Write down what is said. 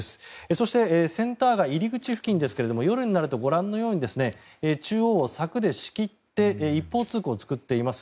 そしてセンター街入り口付近ですが夜になるとご覧のように中央を柵で仕切って一方通行を作っています。